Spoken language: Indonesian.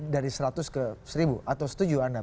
dari seratus ke seribu atau setuju anda